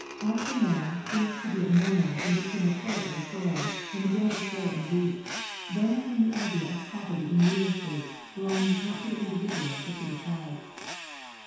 After man ceased to be a nomad and became a tiller of the soil and began to sow and reap, then came the idea of property in real estate, belonging not to the individual but to the tribe.